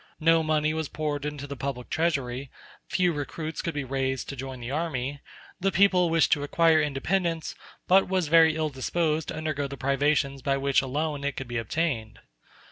No money was poured into the public treasury; few recruits could be raised to join the army; the people wished to acquire independence, but was very ill disposed to undergo the privations by which alone it could be obtained.